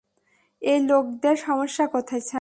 এই লোকেদের সমস্যা কোথায়, স্যার?